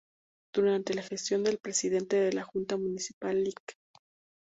Durante la gestión del Presidente de la Junta Municipal Lic.